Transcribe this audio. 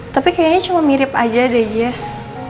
tapi kayaknya cuma mirip aja deh jazz